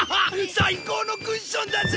最高のクッションだぜ！